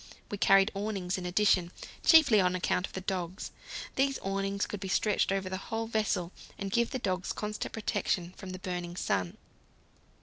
We carried awnings in addition, chiefly on account of the dogs. These awnings could be stretched over the whole vessel and give the dogs constant protection from the burning sun.